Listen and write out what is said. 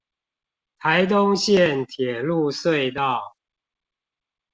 台東線鐵路隧道